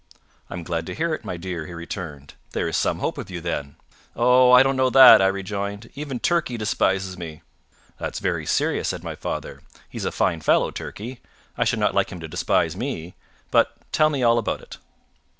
"I am glad to hear it, my dear," he returned. "There is some hope of you, then." "Oh! I don't know that," I rejoined. "Even Turkey despises me." "That's very serious," said my father. "He's a fine fellow, Turkey. I should not like him to despise me. But tell me all about it."